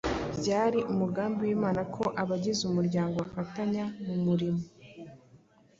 Byari umugambi w’Imana ko abagize umuryango bafatanya mu murimo,